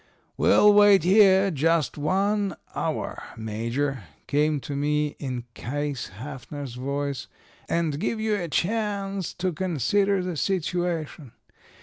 "'We'll wait here just one hour, Major,' came to me in Case Haffner's voice, 'and give you a chance to consider the situation.